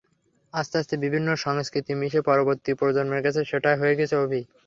আস্তে আস্তে বিভিন্ন সংস্কৃতি মিশে পরবর্তী প্রজন্মের কাছে সেটাই হয়ে গেছে অভিন্ন।